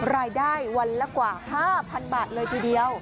รายได้วันละกว่า๕๐๐๐บาทเลยทีเดียว